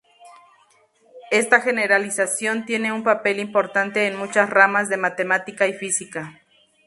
Esta generalización tiene un papel importante en muchas ramas de matemática y física.